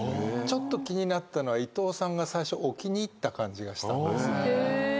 ちょっと気になったのは伊藤さんが最初置きにいった感じがしたんです。